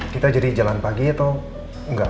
kita jadi jalan pagi atau enggak